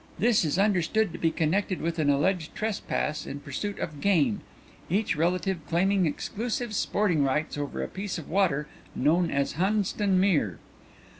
This is understood to be connected with an alleged trespass in pursuit of game, each relative claiming exclusive sporting rights over a piece of water known as Hunstan Mere.